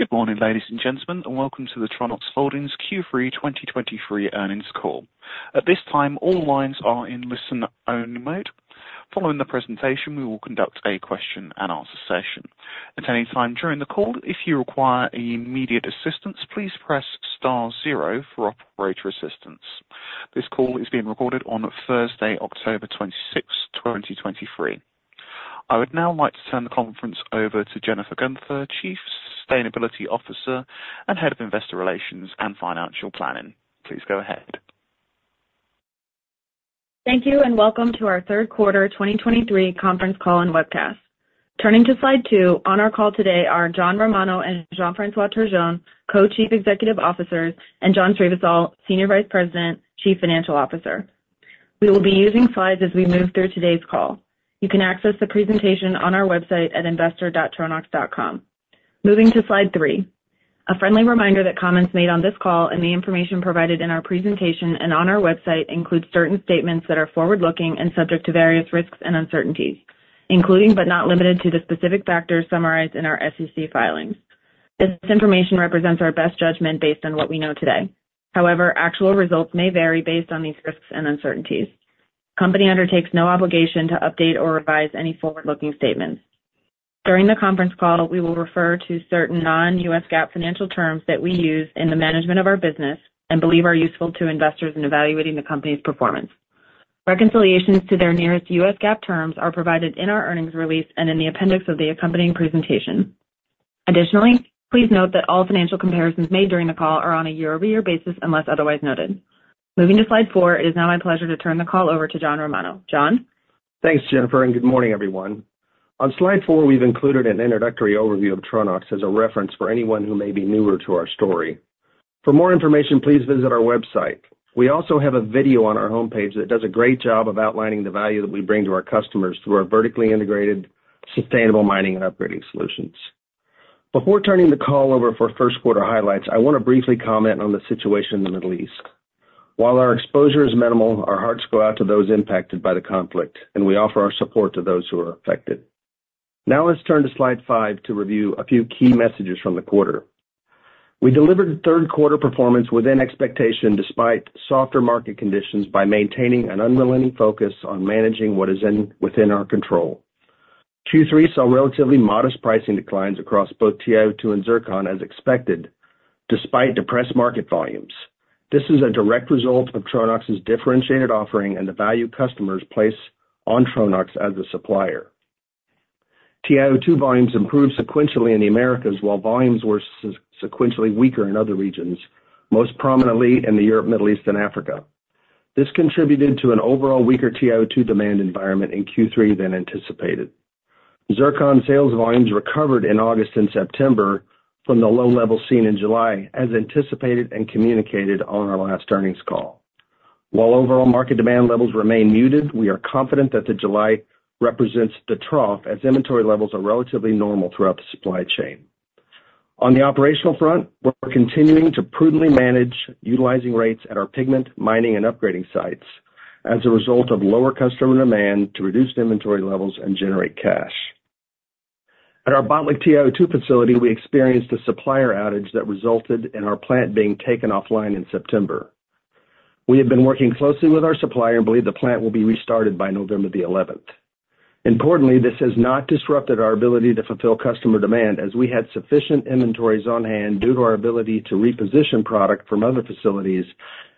Good morning, ladies and gentlemen, and welcome to the Tronox Holdings Q3 2023 earnings call. At this time, all lines are in listen-only mode. Following the presentation, we will conduct a question and answer session. At any time during the call, if you require immediate assistance, please press star zero for operator assistance. This call is being recorded on Thursday, October 26, 2023. I would now like to turn the conference over to Jennifer Guenther, Chief Sustainability Officer and Head of Investor Relations and Financial Planning. Please go ahead. Thank you, and welcome to our third quarter 2023 conference call and webcast. Turning to slide 2, on our call today are John Romano and Jean-François Turgeon, Co-Chief Executive Officers, and John Srivisal, Senior Vice President, Chief Financial Officer. We will be using slides as we move through today's call. You can access the presentation on our website at investor.tronox.com. Moving to slide 3, a friendly reminder that comments made on this call and the information provided in our presentation and on our website include certain statements that are forward-looking and subject to various risks and uncertainties, including, but not limited to, the specific factors summarized in our SEC filings. This information represents our best judgment based on what we know today. However, actual results may vary based on these risks and uncertainties. Company undertakes no obligation to update or revise any forward-looking statements. During the conference call, we will refer to certain non-U.S. GAAP financial terms that we use in the management of our business and believe are useful to investors in evaluating the company's performance. Reconciliations to their nearest U.S. GAAP terms are provided in our earnings release and in the appendix of the accompanying presentation. Additionally, please note that all financial comparisons made during the call are on a year-over-year basis, unless otherwise noted. Moving to slide 4, it is now my pleasure to turn the call over to John Romano. John? Thanks, Jennifer, and good morning, everyone. On slide four, we've included an introductory overview of Tronox as a reference for anyone who may be newer to our story. For more information, please visit our website. We also have a video on our homepage that does a great job of outlining the value that we bring to our customers through our vertically integrated, sustainable mining and upgrading solutions. Before turning the call over for first quarter highlights, I want to briefly comment on the situation in the Middle East. While our exposure is minimal, our hearts go out to those impacted by the conflict, and we offer our support to those who are affected. Now let's turn to slide five to review a few key messages from the quarter. We delivered third quarter performance within expectation, despite softer market conditions, by maintaining an unrelenting focus on managing what is within our control. Q3 saw relatively modest pricing declines across both TiO2 and zircon, as expected, despite depressed market volumes. This is a direct result of Tronox's differentiated offering and the value customers place on Tronox as a supplier. TiO2 volumes improved sequentially in the Americas, while volumes were sequentially weaker in other regions, most prominently in the Europe, Middle East, and Africa (EMEA). This contributed to an overall weaker TiO2 demand environment in Q3 than anticipated. Zircon sales volumes recovered in August and September from the low levels seen in July, as anticipated and communicated on our last earnings call. While overall market demand levels remain muted, we are confident that the July represents the trough, as inventory levels are relatively normal throughout the supply chain. On the operational front, we're continuing to prudently manage utilizing rates at our pigment, mining, and upgrading sites as a result of lower customer demand to reduce inventory levels and generate cash. At our Botlek TiO2 facility, we experienced a supplier outage that resulted in our plant being taken offline in September. We have been working closely with our supplier and believe the plant will be restarted by November 11. Importantly, this has not disrupted our ability to fulfill customer demand, as we had sufficient inventories on hand due to our ability to reposition product from other facilities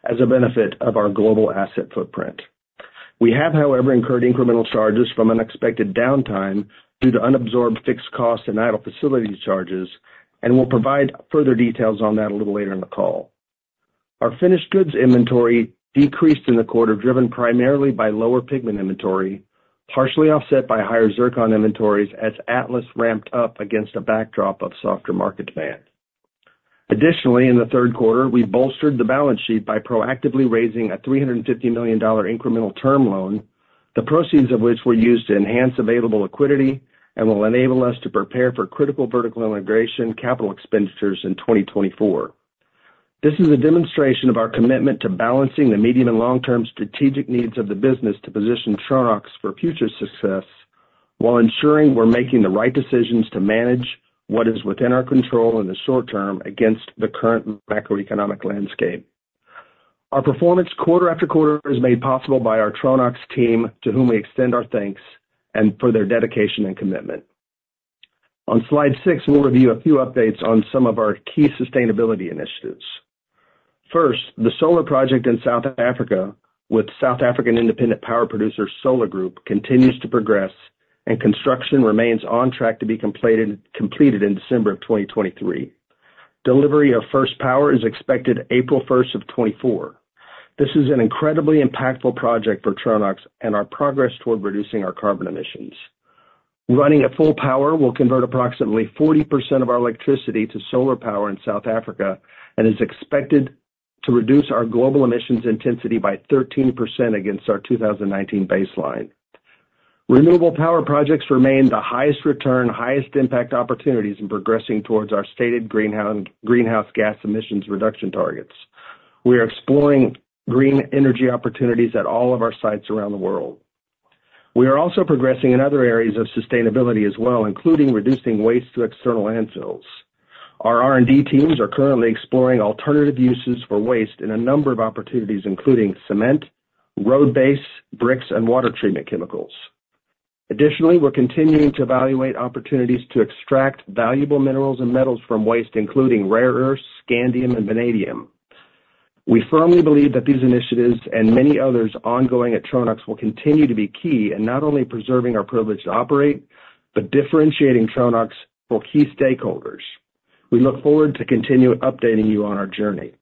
as a benefit of our global asset footprint. We have, however, incurred incremental charges from unexpected downtime due to unabsorbed fixed costs and idle facility charges, and we'll provide further details on that a little later in the call. Our finished goods inventory decreased in the quarter, driven primarily by lower pigment inventory, partially offset by higher zircon inventories as Atlas ramped up against a backdrop of softer market demand. Additionally, in the third quarter, we bolstered the balance sheet by proactively raising a $350 million incremental term loan, the proceeds of which were used to enhance available liquidity and will enable us to prepare for critical vertical integration capital expenditures in 2024. This is a demonstration of our commitment to balancing the medium and long-term strategic needs of the business to position Tronox for future success, while ensuring we're making the right decisions to manage what is within our control in the short term against the current macroeconomic landscape. Our performance quarter after quarter is made possible by our Tronox team, to whom we extend our thanks, and for their dedication and commitment. On slide 6, we'll review a few updates on some of our key sustainability initiatives. First, the solar project in South Africa with South African independent power producer, SOLA Group, continues to progress and construction remains on track to be completed in December of 2023. Delivery of first power is expected April first of 2024. This is an incredibly impactful project for Tronox and our progress toward reducing our carbon emissions. Running at full power will convert approximately 40% of our electricity to solar power in South Africa and is expected to reduce our global emissions intensity by 13% against our 2019 baseline. Renewable power projects remain the highest return, highest impact opportunities in progressing towards our stated greenhouse gas emissions reduction targets. We are exploring green energy opportunities at all of our sites around the world.... We are also progressing in other areas of sustainability as well, including reducing waste to external landfills. Our R&D teams are currently exploring alternative uses for waste in a number of opportunities, including cement, road base, bricks, and water treatment chemicals. Additionally, we're continuing to evaluate opportunities to extract valuable minerals and metals from waste, including rare earths, scandium, and vanadium. We firmly believe that these initiatives and many others ongoing at Tronox will continue to be key in not only preserving our privilege to operate, but differentiating Tronox for key stakeholders. We look forward to continue updating you on our journey.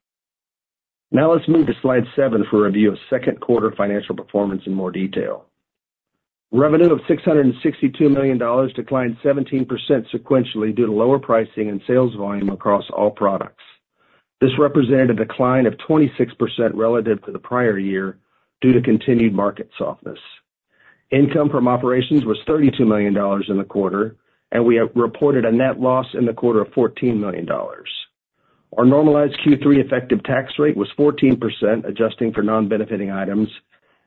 Now let's move to slide 7 for a review of second quarter financial performance in more detail. Revenue of $662 million declined 17% sequentially due to lower pricing and sales volume across all products. This represented a decline of 26% relative to the prior year due to continued market softness. Income from operations was $32 million in the quarter, and we have reported a net loss in the quarter of $14 million. Our normalized Q3 effective tax rate was 14%, adjusting for non-benefiting items,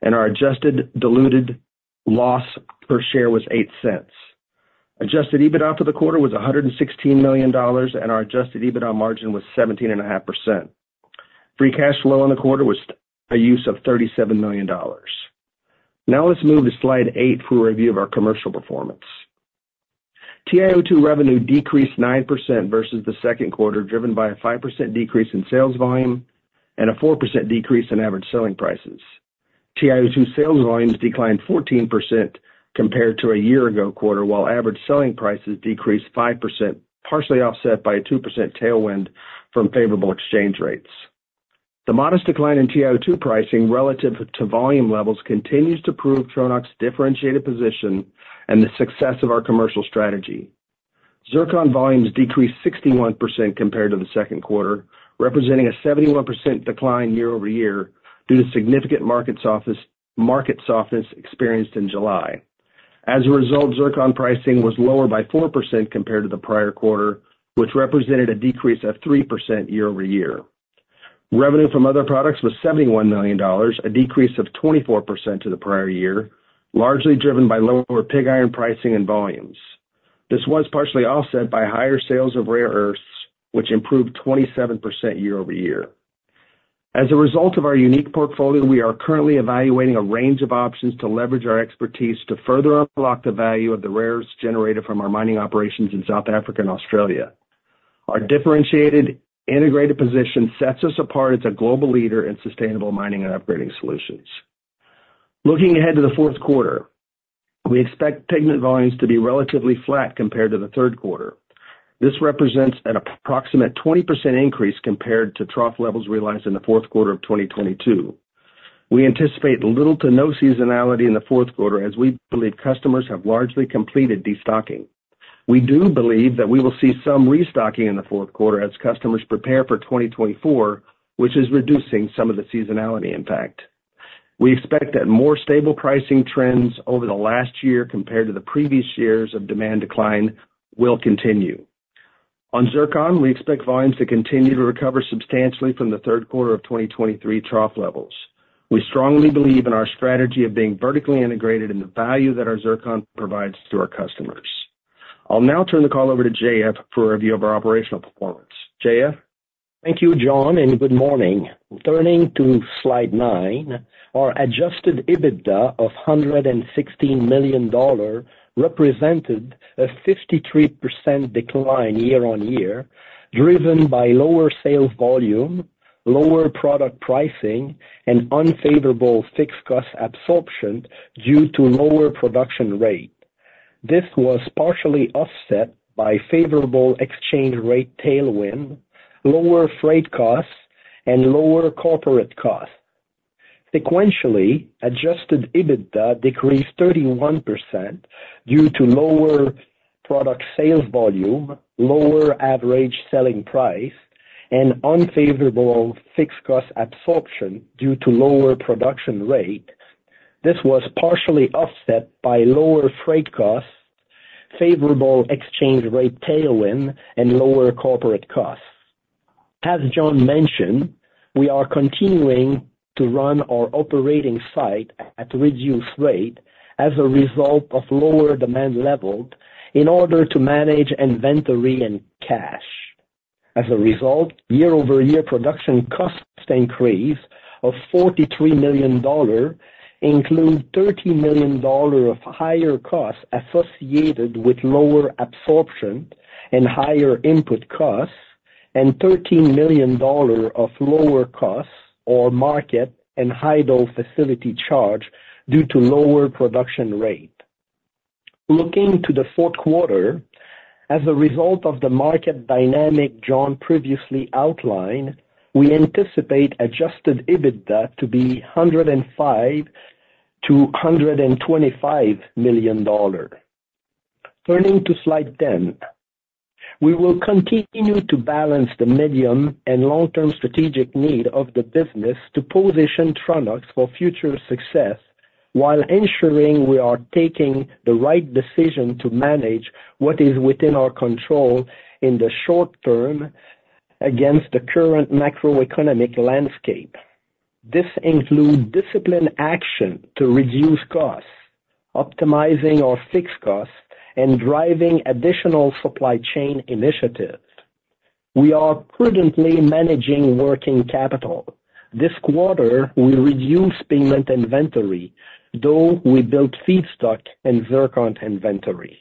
and our adjusted diluted loss per share was $0.08. Adjusted EBITDA for the quarter was $116 million, and our adjusted EBITDA margin was 17.5%. Free cash flow in the quarter was a use of $37 million. Now let's move to slide 8 for a review of our commercial performance. TiO2 revenue decreased 9% versus the second quarter, driven by a 5% decrease in sales volume and a 4% decrease in average selling prices. TiO2 sales volumes declined 14% compared to a year-ago quarter, while average selling prices decreased 5%, partially offset by a 2% tailwind from favorable exchange rates. The modest decline in TiO2 pricing relative to volume levels continues to prove Tronox's differentiated position and the success of our commercial strategy. Zircon volumes decreased 61% compared to the second quarter, representing a 71% decline year-over-year due to significant market softness experienced in July. As a result, zircon pricing was lower by 4% compared to the prior quarter, which represented a decrease of 3% year-over-year. Revenue from other products was $71 million, a decrease of 24% to the prior year, largely driven by lower pig iron pricing and volumes. This was partially offset by higher sales of rare earths, which improved 27% year-over-year. As a result of our unique portfolio, we are currently evaluating a range of options to leverage our expertise to further unlock the value of the rare earths generated from our mining operations in South Africa and Australia. Our differentiated integrated position sets us apart as a global leader in sustainable mining and upgrading solutions. Looking ahead to the fourth quarter, we expect pigment volumes to be relatively flat compared to the third quarter. This represents an approximate 20% increase compared to trough levels realized in the fourth quarter of 2022. We anticipate little to no seasonality in the fourth quarter, as we believe customers have largely completed destocking. We do believe that we will see some restocking in the fourth quarter as customers prepare for 2024, which is reducing some of the seasonality impact. We expect that more stable pricing trends over the last year compared to the previous years of demand decline will continue. On Zircon, we expect volumes to continue to recover substantially from the third quarter of 2023 trough levels. We strongly believe in our strategy of being vertically integrated and the value that our Zircon provides to our customers. I'll now turn the call over to JF for a review of our operational performance. JF? Thank you, John, and good morning. Turning to slide 9, our adjusted EBITDA of $116 million represented a 53% decline year-on-year, driven by lower sales volume, lower product pricing, and unfavorable fixed cost absorption due to lower production rate. This was partially offset by favorable exchange rate tailwind, lower freight costs, and lower corporate costs. Sequentially, adjusted EBITDA decreased 31% due to lower product sales volume, lower average selling price, and unfavorable fixed cost absorption due to lower production rate. This was partially offset by lower freight costs, favorable exchange rate tailwind, and lower corporate costs. As John mentioned, we are continuing to run our operating site at reduced rate as a result of lower demand levels in order to manage inventory and cash. As a result, year-over-year production cost increase of $43 million include $13 million of higher costs associated with lower absorption and higher input costs, and $13 million of lower of cost or market and idle facility charge due to lower production rate. Looking to the fourth quarter, as a result of the market dynamic John previously outlined, we anticipate adjusted EBITDA to be $105 million-$125 million. Turning to slide 10. We will continue to balance the medium- and long-term strategic need of the business to position Tronox for future success, while ensuring we are taking the right decision to manage what is within our control in the short term... against the current macroeconomic landscape. This include disciplined action to reduce costs, optimizing our fixed costs, and driving additional supply chain initiatives. We are prudently managing working capital. This quarter, we reduced pigment inventory, though we built feedstock and zircon inventory.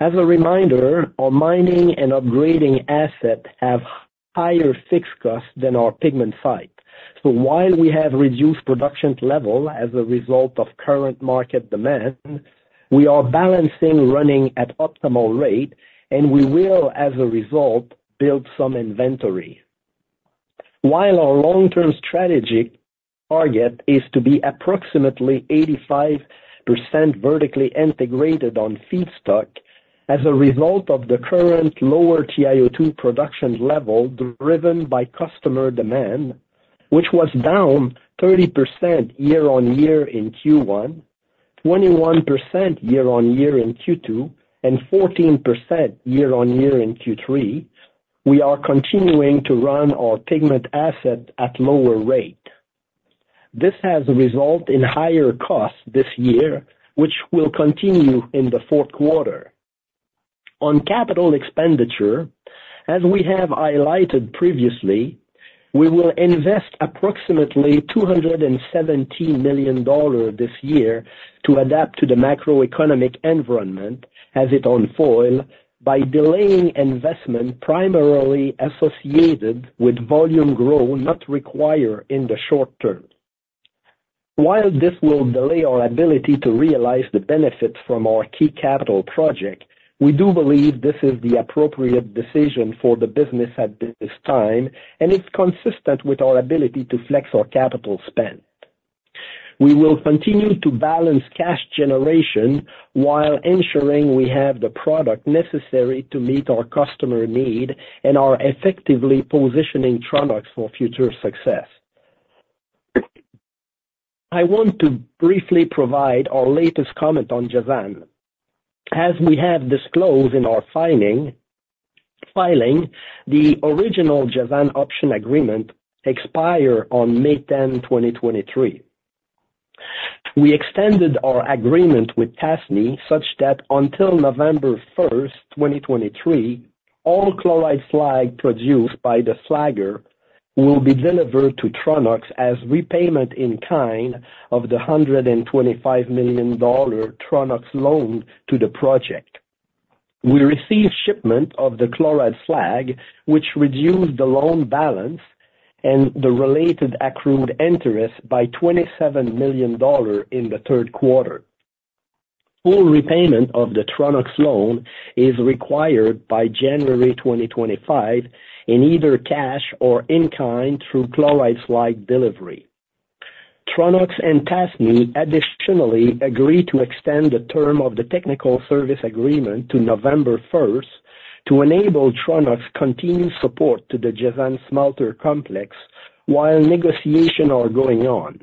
As a reminder, our mining and upgrading assets have higher fixed costs than our pigment site. So while we have reduced production level as a result of current market demand, we are balancing running at optimal rate, and we will, as a result, build some inventory. While our long-term strategy target is to be approximately 85% vertically integrated on feedstock, as a result of the current lower TiO2 production level driven by customer demand, which was down 30% year-on-year in Q1, 21% year-on-year in Q2, and 14% year-on-year in Q3, we are continuing to run our pigment asset at lower rate. This has resulted in higher costs this year, which will continue in the fourth quarter. On capital expenditure, as we have highlighted previously, we will invest approximately $217 million this year to adapt to the macroeconomic environment as it unfolds, by delaying investment primarily associated with volume growth not required in the short term. While this will delay our ability to realize the benefits from our key capital project, we do believe this is the appropriate decision for the business at this time, and it's consistent with our ability to flex our capital spend. We will continue to balance cash generation while ensuring we have the product necessary to meet our customer need and are effectively positioning Tronox for future success. I want to briefly provide our latest comment on Jazan. As we have disclosed in our filing, the original Jazan option agreement expire on May ten, 2023. We extended our agreement with Tasnee such that until November 1, 2023, all chloride slag produced by the smelter will be delivered to Tronox as repayment in kind of the $125 million Tronox loan to the project. We received shipment of the chloride slag, which reduced the loan balance and the related accrued interest by $27 million in the third quarter. Full repayment of the Tronox loan is required by January 2025, in either cash or in-kind through chloride slag delivery. Tronox and Tasnee additionally agreed to extend the term of the technical service agreement to November 1, to enable Tronox continued support to the Jazan smelter complex while negotiations are going on.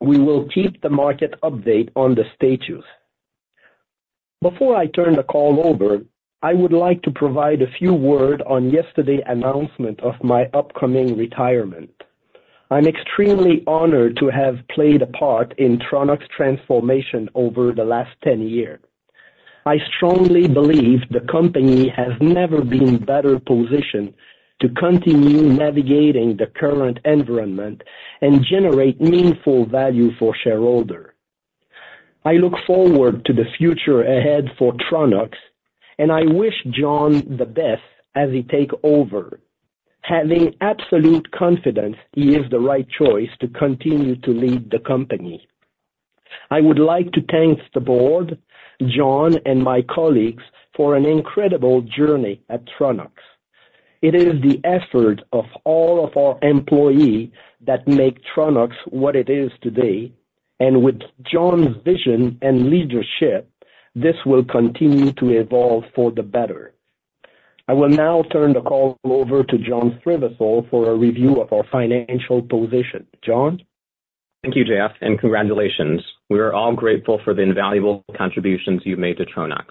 We will keep the market updated on the status. Before I turn the call over, I would like to provide a few words on yesterday's announcement of my upcoming retirement. I'm extremely honored to have played a part in Tronox transformation over the last 10 years. I strongly believe the company has never been better positioned to continue navigating the current environment and generate meaningful value for shareholder. I look forward to the future ahead for Tronox, and I wish John the best as he take over, having absolute confidence he is the right choice to continue to lead the company. I would like to thank the board, John, and my colleagues for an incredible journey at Tronox. It is the effort of all of our employee that make Tronox what it is today, and with John's vision and leadership, this will continue to evolve for the better. I will now turn the call over to John Srivisal for a review of our financial position. John? Thank you, JF, and congratulations. We are all grateful for the invaluable contributions you've made to Tronox.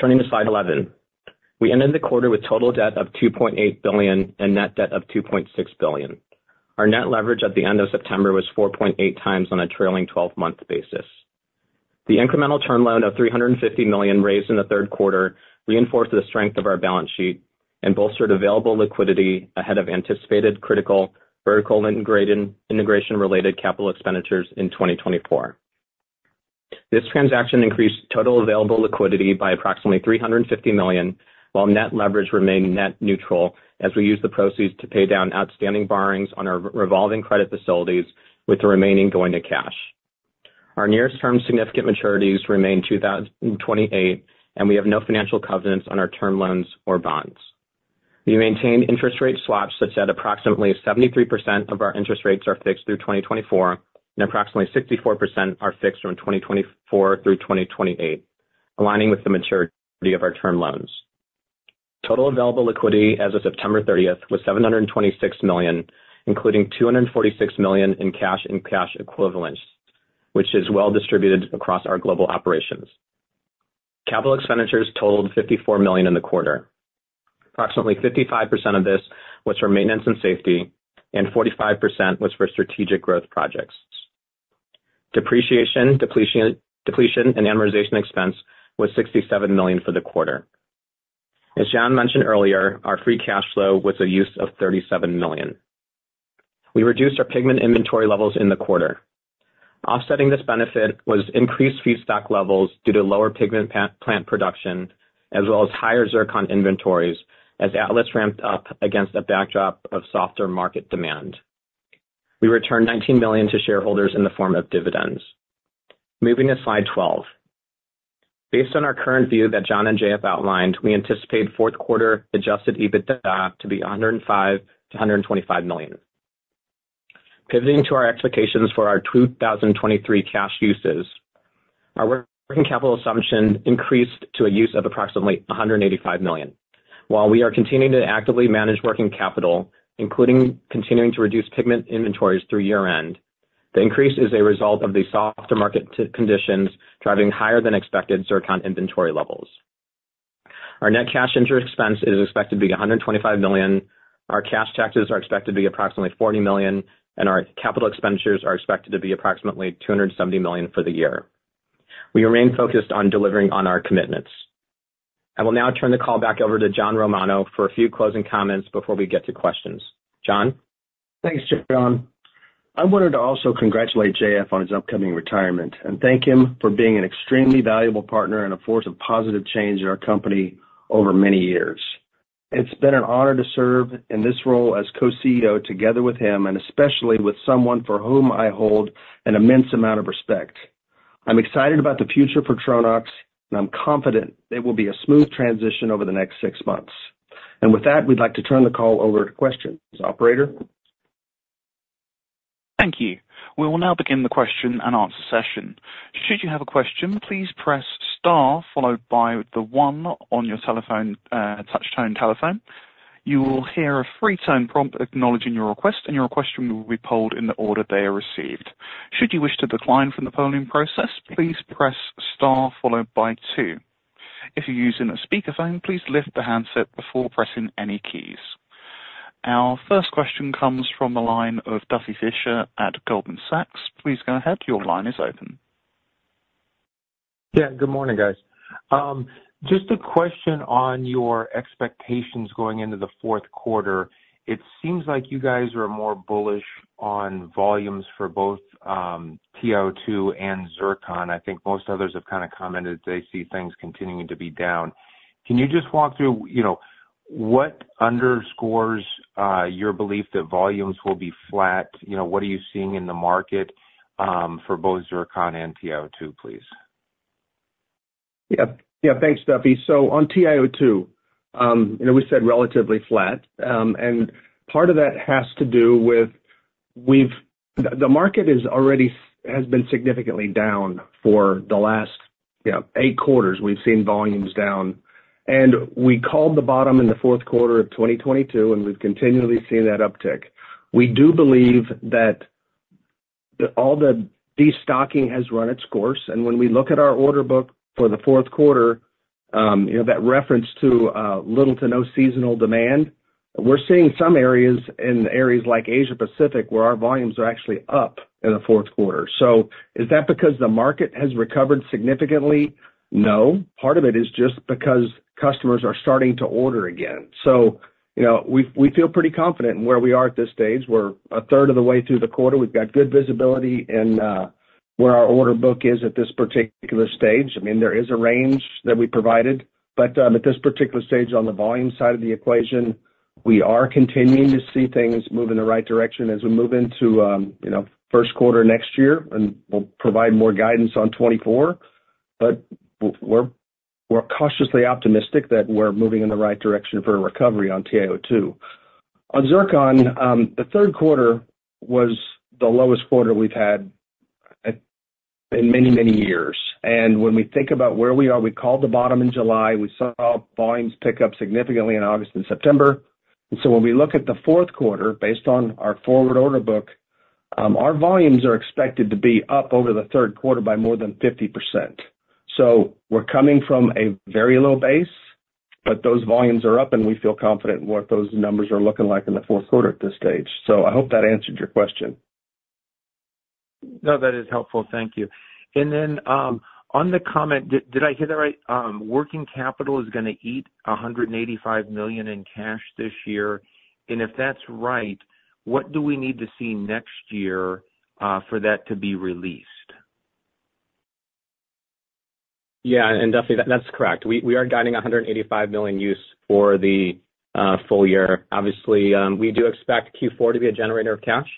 Turning to slide 11. We ended the quarter with total debt of $2.8 billion and net debt of $2.6 billion. Our net leverage at the end of September was 4.8x on a trailing 12-month basis. The incremental term loan of $350 million raised in the third quarter reinforced the strength of our balance sheet and bolstered available liquidity ahead of anticipated critical, vertical integration-related capital expenditures in 2024. This transaction increased total available liquidity by approximately $350 million, while net leverage remained net neutral as we used the proceeds to pay down outstanding borrowings on our revolving credit facilities, with the remaining going to cash. Our nearest term significant maturities remain 2028, and we have no financial covenants on our term loans or bonds. We maintain interest rate swaps, such that approximately 73% of our interest rates are fixed through 2024, and approximately 64% are fixed from 2024 through 2028, aligning with the maturity of our term loans. Total available liquidity as of September 30 was $726 million, including $246 million in cash and cash equivalents, which is well distributed across our global operations. Capital expenditures totaled $54 million in the quarter. Approximately 55% of this was for maintenance and safety, and 45% was for strategic growth projects. Depreciation, depletion, and amortization expense was $67 million for the quarter. As John mentioned earlier, our free cash flow was a use of $37 million. We reduced our pigment inventory levels in the quarter. Offsetting this benefit was increased feedstock levels due to lower pigment plant production, as well as higher zircon inventories as output ramped up against a backdrop of softer market conditions. We returned $19 million to shareholders in the form of dividends. Moving to slide 12. Based on our current view that John and JF outlined, we anticipate fourth quarter Adjusted EBITDA to be $105 million-$125 million. Pivoting to our expectations for our 2023 cash uses, our working capital assumption increased to a use of approximately $185 million. While we are continuing to actively manage working capital, including continuing to reduce pigment inventories through year-end, the increase is a result of the softer market conditions driving higher than expected zircon inventory levels. Our net cash interest expense is expected to be $125 million. Our cash taxes are expected to be approximately $40 million, and our capital expenditures are expected to be approximately $270 million for the year. We remain focused on delivering on our commitments. I will now turn the call back over to John Romano for a few closing comments before we get to questions. John? Thanks, John. I wanted to also congratulate JF on his upcoming retirement and thank him for being an extremely valuable partner and a force of positive change in our company over many years. It's been an honor to serve in this role as co-CEO together with him, and especially with someone for whom I hold an immense amount of respect. I'm excited about the future for Tronox, and I'm confident it will be a smooth transition over the next six months. And with that, we'd like to turn the call over to questions. Operator? Thank you. We will now begin the question and answer session. Should you have a question, please press star followed by the one on your telephone, touch tone telephone. You will hear a brief tone prompt acknowledging your request, and your question will be polled in the order they are received. Should you wish to decline from the polling process, please press star followed by two. If you're using a speakerphone, please lift the handset before pressing any keys. Our first question comes from the line of Duffy Fischer at Goldman Sachs. Please go ahead. Your line is open. Yeah, good morning, guys. Just a question on your expectations going into the fourth quarter. It seems like you guys are more bullish on volumes for both TiO2 and zircon. I think most others have kind of commented they see things continuing to be down. Can you just walk through, you know, what underscores your belief that volumes will be flat? You know, what are you seeing in the market for both zircon and TiO2, please? Yeah. Yeah, thanks, Duffy. So on TiO2, you know, we said relatively flat. Part of that has to do with the market has already been significantly down for the last, you know, eight quarters. We've seen volumes down, and we called the bottom in the fourth quarter of 2022, and we've continually seen that uptick. We do believe that all the destocking has run its course, and when we look at our order book for the fourth quarter, you know, that reference to little to no seasonal demand, we're seeing some areas like Asia-Pacific, where our volumes are actually up in the fourth quarter. So is that because the market has recovered significantly? No. Part of it is just because customers are starting to order again. So you know, we feel pretty confident in where we are at this stage. We're a third of the way through the quarter. We've got good visibility in where our order book is at this particular stage. I mean, there is a range that we provided, but at this particular stage, on the volume side of the equation, we are continuing to see things move in the right direction as we move into you know, first quarter next year. And we'll provide more guidance on 2024, but we're cautiously optimistic that we're moving in the right direction for a recovery on TiO2. On zircon, the third quarter was the lowest quarter we've had in many, many years. And when we think about where we are, we called the bottom in July. We saw volumes pick up significantly in August and September. And so when we look at the fourth quarter, based on our forward order book, our volumes are expected to be up over the third quarter by more than 50%. So we're coming from a very low base, but those volumes are up, and we feel confident in what those numbers are looking like in the fourth quarter at this stage. So I hope that answered your question. No, that is helpful. Thank you. And then, on the comment, did I hear that right? Working capital is gonna eat $185 million in cash this year, and if that's right, what do we need to see next year for that to be released? Yeah, and Duffy, that's correct. We are guiding $185 million use for the full year. Obviously, we do expect Q4 to be a generator of cash.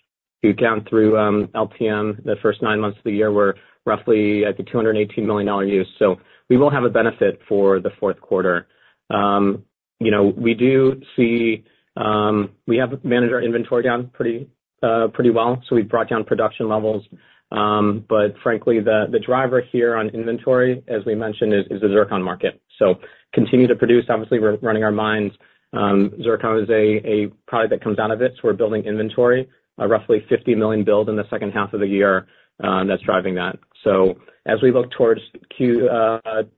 If you count through LTM, the first nine months of the year, we're roughly at the $218 million dollar use. So we will have a benefit for the fourth quarter. You know, we do see we have managed our inventory down pretty well, so we've brought down production levels. But frankly, the driver here on inventory, as we mentioned, is the zircon market. So continue to produce. Obviously, we're running our mines. Zircon is a product that comes out of it, so we're building inventory. A roughly $50 million build in the second half of the year, that's driving that. So as we look towards Q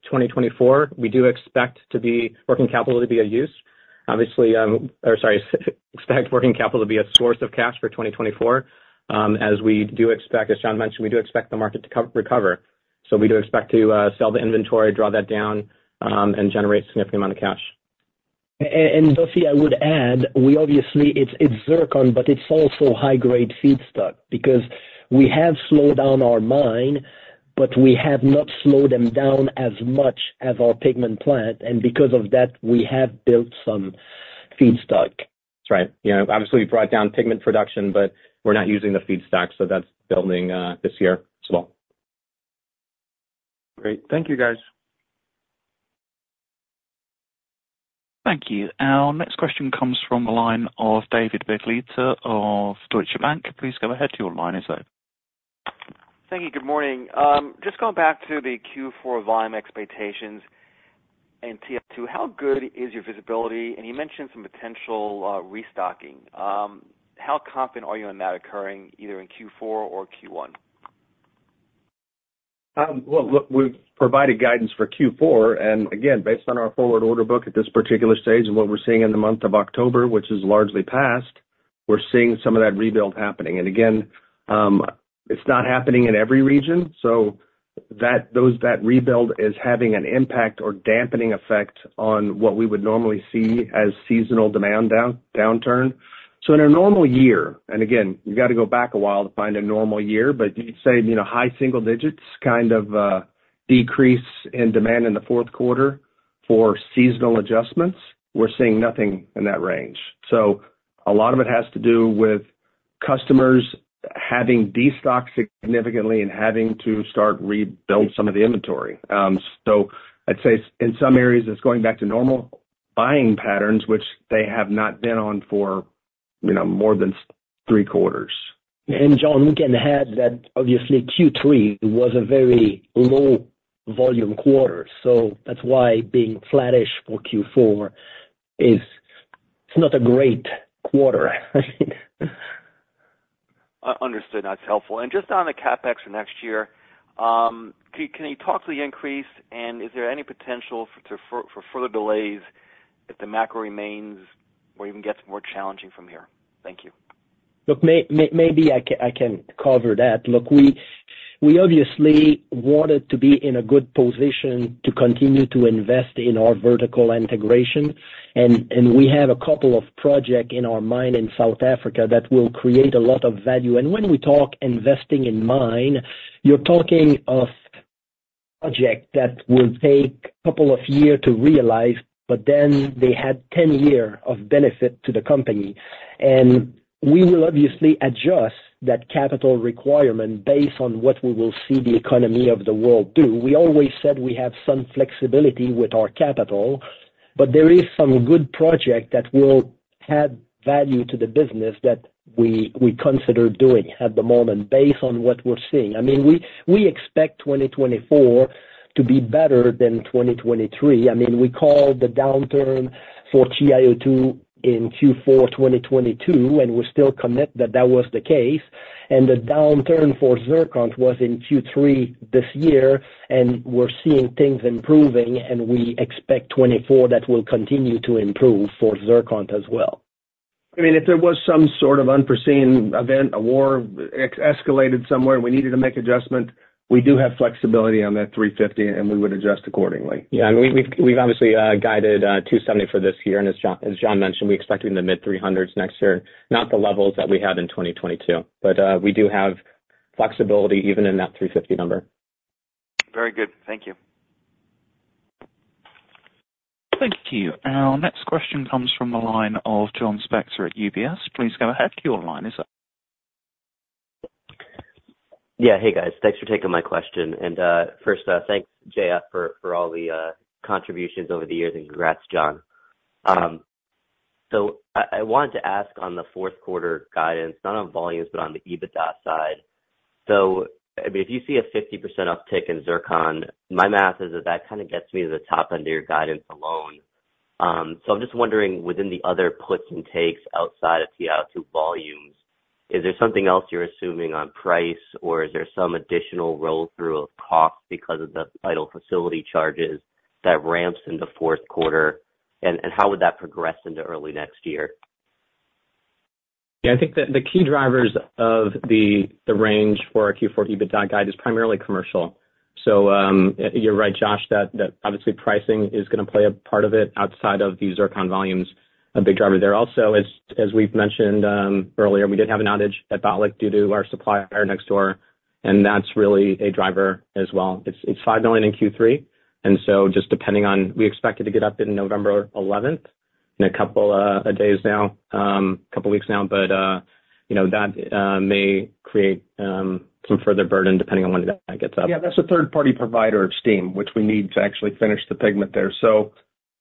2024, we do expect to be working capital to be a use. Obviously, or sorry, expect working capital to be a source of cash for 2024, as we do expect, as John mentioned, we do expect the market to recover. So we do expect to sell the inventory, draw that down, and generate a significant amount of cash. And Duffy, I would add, we obviously, it's, it's zircon, but it's also high-grade feedstock, because we have slowed down our mine, but we have not slowed them down as much as our pigment plant, and because of that, we have built some feedstock. That's right. You know, obviously, we brought down pigment production, but we're not using the feedstock, so that's building, this year as well. Great. Thank you, guys. Thank you. Our next question comes from the line of David Begleiter of Deutsche Bank. Please go ahead. Your line is open. Thank you. Good morning. Just going back to the Q4 volume expectations and TiO2, how good is your visibility? And you mentioned some potential restocking. How confident are you in that occurring either in Q4 or Q1? Well, look, we've provided guidance for Q4, and again, based on our forward order book at this particular stage and what we're seeing in the month of October, which is largely past, we're seeing some of that rebuild happening. And again, it's not happening in every region, so that rebuild is having an impact or dampening effect on what we would normally see as seasonal demand downturn. So in a normal year, and again, you've got to go back a while to find a normal year, but you say, you know, high single digits, kind of, decrease in demand in the fourth quarter for seasonal adjustments. We're seeing nothing in that range. So a lot of it has to do with customers having destocked significantly and having to start rebuilding some of the inventory. So, I'd say in some areas, it's going back to normal buying patterns, which they have not been on for, you know, more than three quarters. John, we can add that obviously Q3 was a very low volume quarter, so that's why being flattish for Q4 is not a great quarter. Understood. That's helpful. And just on the CapEx for next year, can you talk to the increase, and is there any potential for further delays if the macro remains or even gets more challenging from here? Thank you. Look, maybe I can cover that. Look, we obviously wanted to be in a good position to continue to invest in our vertical integration, and we have a couple of projects in our mine in South Africa that will create a lot of value. And when we talk investing in mine, you're talking of projects that will take a couple of years to realize, but then they had ten years of benefit to the company. And we will obviously adjust that capital requirement based on what we will see the economy of the world do. We always said we have some flexibility with our capital, but there is some good projects that will add value to the business that we consider doing at the moment based on what we're seeing. I mean, we expect 2024 to be better than 2023. I mean, we called the downturn for TiO2 in Q4 2022, and we still commit that that was the case, and the downturn for zircon was in Q3 this year, and we're seeing things improving, and we expect 2024, that will continue to improve for zircon as well. I mean, if there was some sort of unforeseen event, a war escalated somewhere, and we needed to make adjustment, we do have flexibility on that $350, and we would adjust accordingly. Yeah, and we've, we've obviously guided 270 for this year, and as Jo- as John mentioned, we expect it in the mid-300s next year, not the levels that we had in 2022. But we do have flexibility even in that 350 number. Very good. Thank you. Thank you. Our next question comes from the line of Joshua Spector at UBS. Please go ahead. Your line is up. Yeah. Hey, guys. Thanks for taking my question. And, first, thanks, JF, for all the contributions over the years, and congrats, John. So I wanted to ask on the fourth quarter guidance, not on volumes, but on the EBITDA side. So if you see a 50% uptick in zircon, my math is that kind of gets me to the top end of your guidance alone. So I'm just wondering, within the other puts and takes outside of TiO2 volumes, is there something else you're assuming on price, or is there some additional roll-through of costs because of the idle facility charges that ramps in the fourth quarter? And how would that progress into early next year? Yeah, I think that the key drivers of the range for our Q4 EBITDA guide is primarily commercial. So, you're right, Josh, that obviously pricing is going to play a part of it outside of the zircon volumes, a big driver there. Also, as we've mentioned earlier, we did have an outage at Botlek due to our supplier next door, and that's really a driver as well. It's five million in Q3, and so just depending on... We expect it to get up in November 11th, in a couple days now, couple of weeks now, but you know, that may create some further burden depending on when that gets up. Yeah, that's a third-party provider of steam, which we need to actually finish the pigment there. So,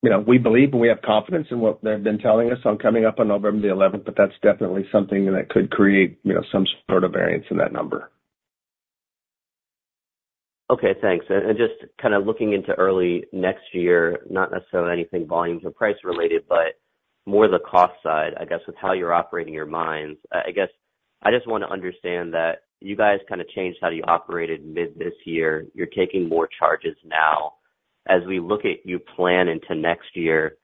you know, we believe we have confidence in what they've been telling us on coming up on November 11th, but that's definitely something that could create, you know, some sort of variance in that number. Okay, thanks. Just kind of looking into early next year, not necessarily anything volumes or price related, but more the cost side, I guess, with how you're operating your mines. I just want to understand that you guys kind of changed how you operated mid this year. You're taking more charges now. As we look at your plan into next year,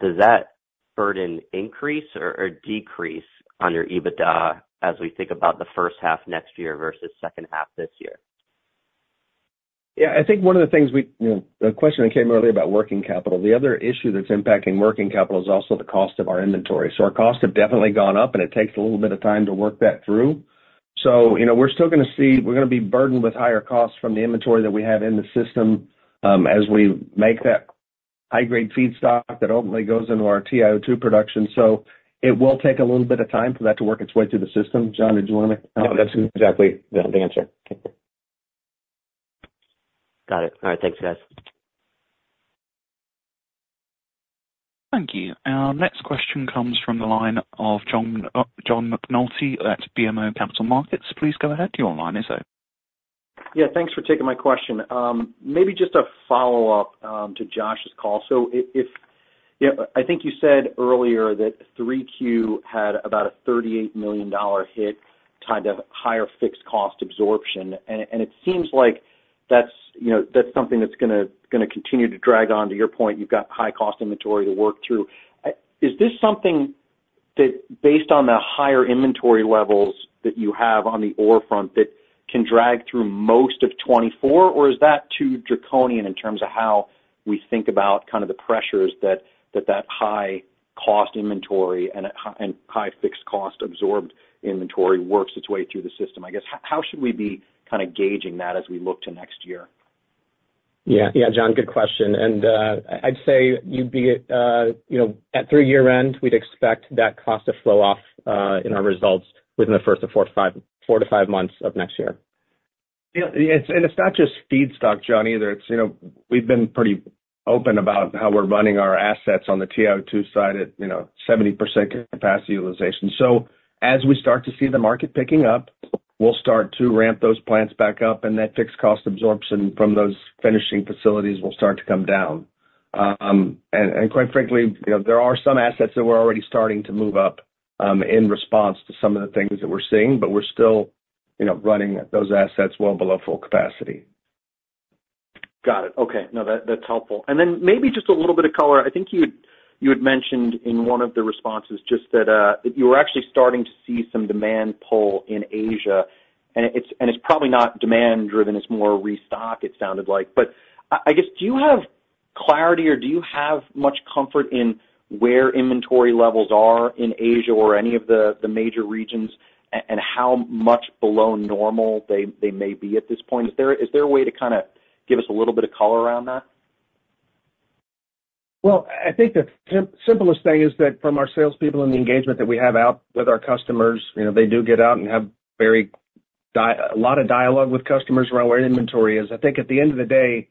does that burden increase or, or decrease on your EBITDA as we think about the first half next year versus second half this year? Yeah, I think one of the things we—you know, the question that came earlier about working capital, the other issue that's impacting working capital is also the cost of our inventory. So our costs have definitely gone up, and it takes a little bit of time to work that through. So, you know, we're still gonna be burdened with higher costs from the inventory that we have in the system, as we make that high-grade feedstock that ultimately goes into our TiO2 production. So it will take a little bit of time for that to work its way through the system. John, did you wanna comment? Yeah, that's exactly the answer. Got it. All right, thanks, guys. Thank you. Our next question comes from the line of John McNulty at BMO Capital Markets. Please go ahead, your line is open. Yeah, thanks for taking my question. Maybe just a follow-up to Josh's call. So if, yeah, I think you said earlier that 3Q had about a $38 million hit tied to higher fixed cost absorption. And it seems like that's, you know, that's something that's gonna continue to drag on, to your point, you've got high cost inventory to work through. Is this something that, based on the higher inventory levels that you have on the ore front, that can drag through most of 2024? Or is that too draconian in terms of how we think about kind of the pressures that that high cost inventory and high fixed cost absorbed inventory works its way through the system? I guess, how should we be kind of gauging that as we look to next year? Yeah. Yeah, John, good question. And, I'd say you'd be, you know, at three year-end, we'd expect that cost to flow off, in our results within the first of 4-5, 4-5 months of next year. Yeah, and it's not just feedstock, John, either. It's, you know, we've been pretty open about how we're running our assets on the TiO2 side at, you know, 70% capacity utilization. So as we start to see the market picking up, we'll start to ramp those plants back up, and that fixed cost absorption from those finishing facilities will start to come down. And quite frankly, you know, there are some assets that we're already starting to move up, in response to some of the things that we're seeing, but we're still, you know, running those assets well below full capacity. Got it. Okay. No, that's helpful. And then maybe just a little bit of color. I think you had mentioned in one of the responses just that you were actually starting to see some demand pull in Asia, and it's probably not demand driven, it's more restock, it sounded like. But I guess, do you have clarity, or do you have much comfort in where inventory levels are in Asia or any of the major regions, and how much below normal they may be at this point? Is there a way to kind of give us a little bit of color around that? Well, I think the simplest thing is that from our salespeople and the engagement that we have out with our customers, you know, they do get out and have a lot of dialogue with customers around where inventory is. I think at the end of the day,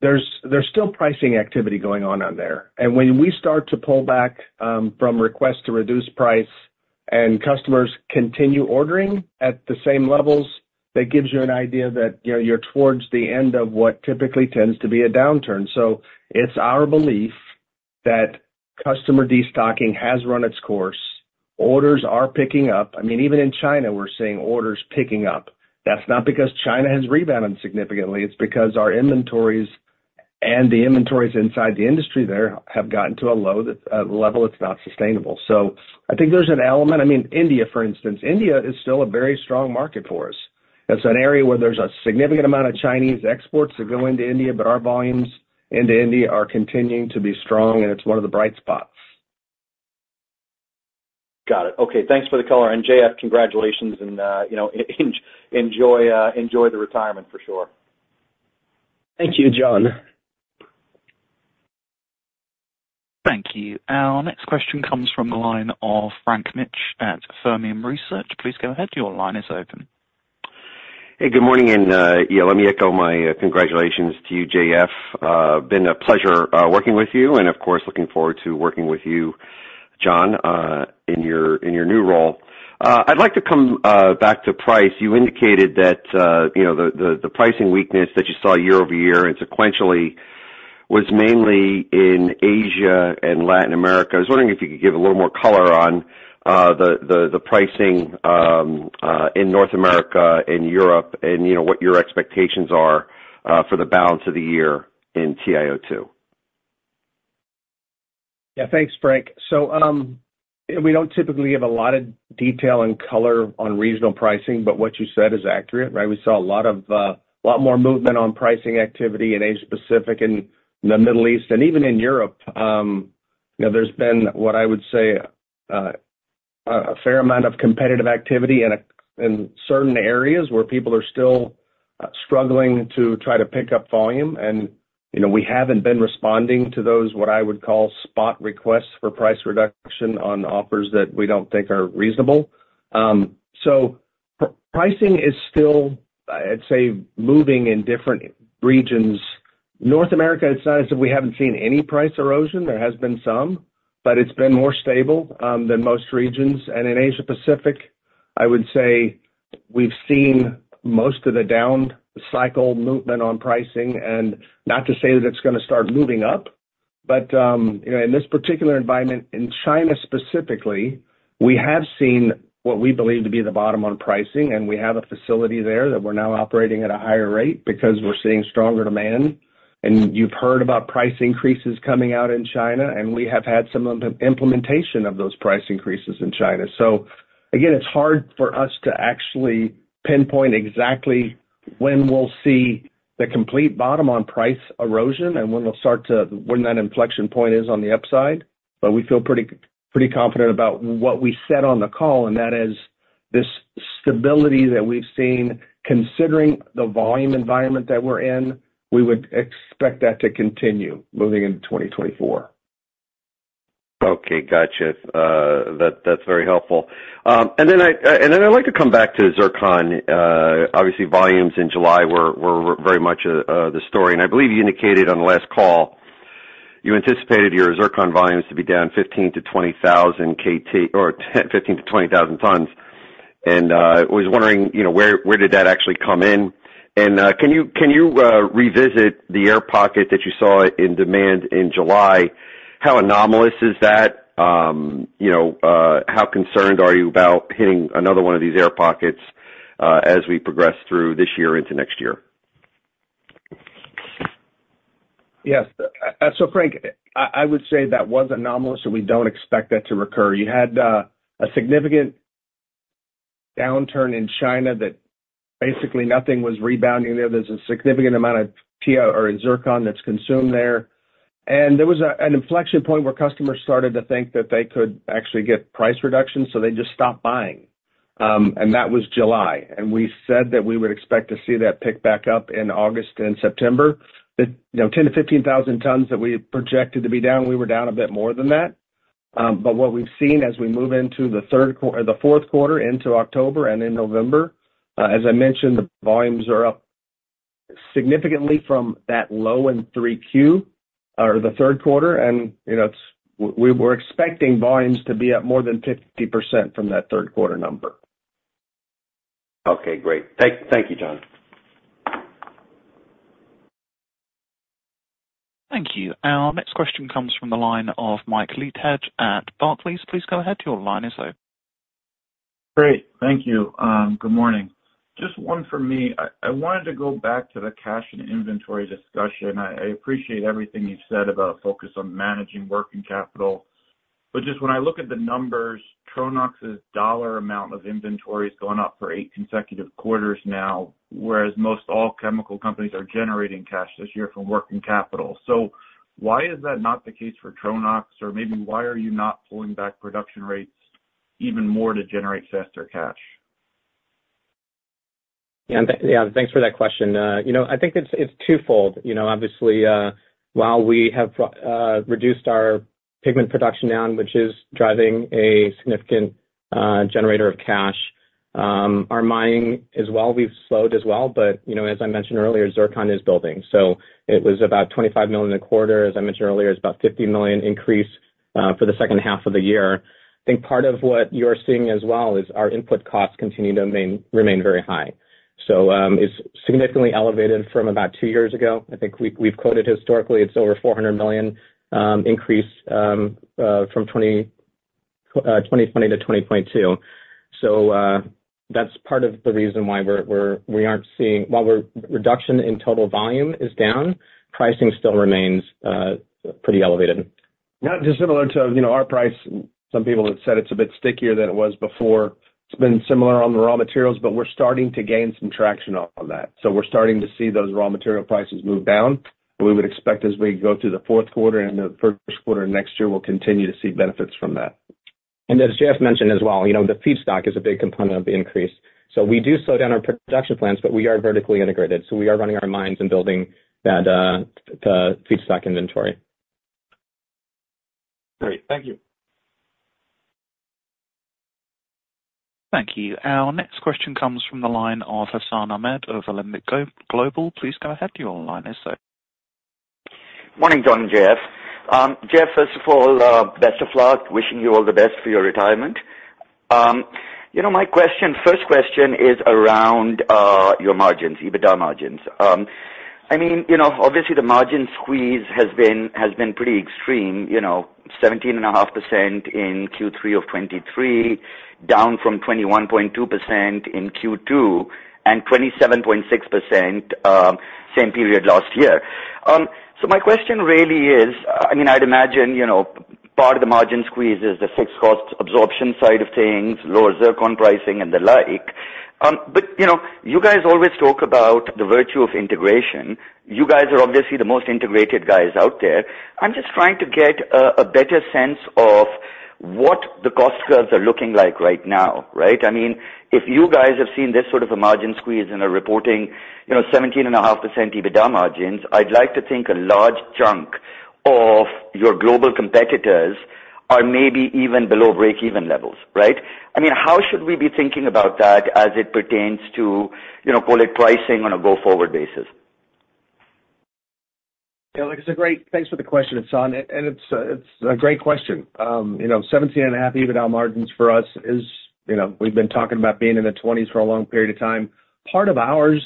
there's still pricing activity going on there. And when we start to pull back from requests to reduce price and customers continue ordering at the same levels, that gives you an idea that, you know, you're towards the end of what typically tends to be a downturn. So it's our belief that customer destocking has run its course. Orders are picking up. I mean, even in China, we're seeing orders picking up. That's not because China has rebounded significantly, it's because our inventories and the inventories inside the industry there have gotten to a low level that's not sustainable. So I think there's an element. I mean, India, for instance, India is still a very strong market for us. It's an area where there's a significant amount of Chinese exports that go into India, but our volumes into India are continuing to be strong, and it's one of the bright spots. Got it. Okay, thanks for the color. And JF, congratulations, and, you know, enjoy the retirement for sure. Thank you, John. Thank you. Our next question comes from the line of Frank Mitsch at Fermium Research. Please go ahead. Your line is open. Hey, good morning, and yeah, let me echo my congratulations to you, JF. Been a pleasure working with you and, of course, looking forward to working with you, John, in your new role. I'd like to come back to price. You indicated that you know the pricing weakness that you saw year-over-year and sequentially was mainly in Asia and Latin America. I was wondering if you could give a little more color on the pricing in North America and Europe, and you know what your expectations are for the balance of the year in TiO2. Yeah. Thanks, Frank. So, we don't typically give a lot of detail and color on regional pricing, but what you said is accurate, right? We saw a lot of a lot more movement on pricing activity in Asia-Pacific and the Middle East, and even in Europe. You know, there's been, what I would say, a fair amount of competitive activity in certain areas where people are still struggling to try to pick up volume. And, you know, we haven't been responding to those, what I would call, spot requests for price reduction on offers that we don't think are reasonable. So pricing is still, I'd say, moving in different regions. North America, it's not as if we haven't seen any price erosion. There has been some, but it's been more stable than most regions. In Asia-Pacific, I would say we've seen most of the down cycle movement on pricing. Not to say that it's gonna start moving up. But, you know, in this particular environment, in China specifically, we have seen what we believe to be the bottom on pricing, and we have a facility there that we're now operating at a higher rate because we're seeing stronger demand. You've heard about price increases coming out in China, and we have had some implementation of those price increases in China. Again, it's hard for us to actually pinpoint exactly when we'll see the complete bottom on price erosion and when we'll start to, when that inflection point is on the upside. We feel pretty, pretty confident about what we said on the call, and that is, this stability that we've seen, considering the volume environment that we're in, we would expect that to continue moving into 2024. Okay, gotcha. That, that's very helpful. And then I, and then I'd like to come back to zircon. Obviously, volumes in July were, were very much, the story, and I believe you indicated on the last call you anticipated your zircon volumes to be down 15,000-20,000 KT... or 10, 15-20,000 tons. And, I was wondering, you know, where, where did that actually come in? And, can you, can you, revisit the air pocket that you saw in demand in July? How anomalous is that? You know, how concerned are you about hitting another one of these air pockets, as we progress through this year into next year? Yes. So Frank, I, I would say that was anomalous, so we don't expect that to recur. You had a significant downturn in China that basically nothing was rebounding there. There's a significant amount of TiO2, or zircon, that's consumed there. And there was an inflection point where customers started to think that they could actually get price reductions, so they just stopped buying. And that was July, and we said that we would expect to see that pick back up in August and September. You know, 10,000-15,000 tons that we had projected to be down, we were down a bit more than that. But what we've seen as we move into the fourth quarter into October and in November, as I mentioned, the volumes are up significantly from that low in 3Q, or the third quarter. And, you know, it's, we're expecting volumes to be up more than 50% from that third quarter number. Okay, great. Thank you, John. Thank you. Our next question comes from the line of Michael Leithead at Barclays. Please go ahead. Your line is open. Great, thank you. Good morning. Just one for me. I wanted to go back to the cash and inventory discussion. I appreciate everything you've said about focus on managing working capital, but just when I look at the numbers, Tronox's dollar amount of inventory is going up for eight consecutive quarters now, whereas most all chemical companies are generating cash this year from working capital. So why is that not the case for Tronox? Or maybe why are you not pulling back production rates even more to generate faster cash? Yeah, yeah, thanks for that question. You know, I think it's, it's twofold. You know, obviously, while we have reduced our pigment production down, which is driving a significant generator of cash, our mining as well, we've slowed as well. But, you know, as I mentioned earlier, zircon is building, so it was about $25 million a quarter. As I mentioned earlier, it's about $50 million increase for the second half of the year. I think part of what you're seeing as well is our input costs continue to remain very high. So, it's significantly elevated from about two years ago. I think we, we've quoted historically, it's over $400 million increase from 2020 to 2022. So, that's part of the reason why we aren't seeing—while our reduction in total volume is down, pricing still remains pretty elevated. Not dissimilar to, you know, our price. Some people have said it's a bit stickier than it was before. It's been similar on the raw materials, but we're starting to gain some traction on that. So we're starting to see those raw material prices move down. We would expect as we go through the fourth quarter and the first quarter of next year, we'll continue to see benefits from that. As Jeff mentioned as well, you know, the feedstock is a big component of the increase. So we do slow down our production plans, but we are vertically integrated, so we are running our mines and building that, the feedstock inventory. Great. Thank you. Thank you. Our next question comes from the line of Hassan Ahmed of Alembic Global. Please go ahead, your line is set. Morning, John and Jeff. Jeff, first of all, best of luck. Wishing you all the best for your retirement. You know, my question, first question is around your margins, EBITDA margins. I mean, you know, obviously the margin squeeze has been, has been pretty extreme. You know, 17.5% in Q3 of 2023, down from 21.2% in Q2, and 27.6%, same period last year. So my question really is, I mean, I'd imagine, you know, part of the margin squeeze is the fixed cost absorption side of things, lower zircon pricing and the like. But, you know, you guys always talk about the virtue of integration. You guys are obviously the most integrated guys out there. I'm just trying to get a better sense of what the cost curves are looking like right now, right? I mean, if you guys have seen this sort of a margin squeeze in a reporting, you know, 17.5% EBITDA margins, I'd like to think a large chunk of your global competitors are maybe even below break-even levels, right? I mean, how should we be thinking about that as it pertains to, you know, call it, pricing on a go-forward basis? Yeah, look, it's a great, thanks for the question, Hassan, and it's a great question. You know, 17.5% EBITDA margins for us is, you know, we've been talking about being in the 20s for a long period of time. Part of ours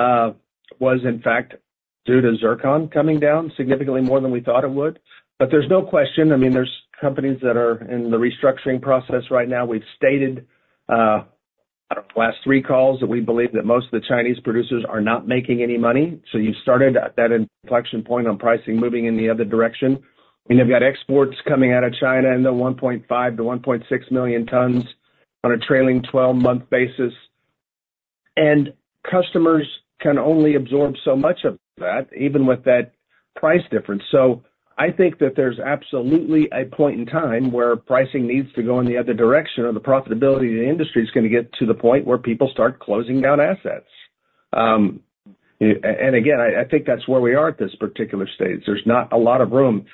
was in fact due to zircon coming down significantly more than we thought it would. But there's no question, I mean, there's companies that are in the restructuring process right now. We've stated last three calls that we believe that most of the Chinese producers are not making any money. So you've started at that inflection point on pricing, moving in the other direction. And they've got exports coming out of China in the 1.5-1.6 million tons on a trailing twelve-month basis. And customers can only absorb so much of that, even with that price difference. So I think that there's absolutely a point in time where pricing needs to go in the other direction, or the profitability of the industry is gonna get to the point where people start closing down assets. And again, I think that's where we are at this particular stage. There's not a lot of room.